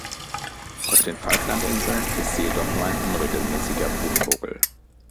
Auf den Falklandinseln ist sie jedoch nur ein unregelmäßiger Brutvogel.